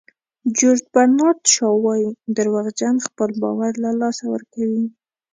جیورج برنارد شاو وایي دروغجن خپل باور له لاسه ورکوي.